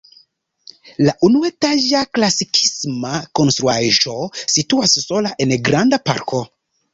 La unuetaĝa klasikisma konstruaĵo situas sola en granda parko.